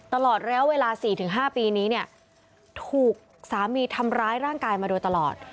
ตลอดระยะเวลา๔๕ปีนี้เนี่ยถูกสามีทำร้ายร่างกายมาโดยตลอด